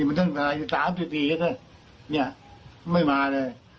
แทนแทงแกล้วแน่งกลมแค่ชัด